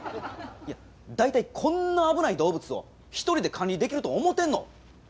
いや大体こんな危ない動物を一人で管理できると思うてんの？